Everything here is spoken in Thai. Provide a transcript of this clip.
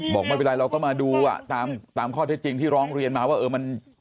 บอกไม่เป็นไรเราก็มาดูตามข้อเท็จจริงที่ร้องเรียนมาว่าเออมัน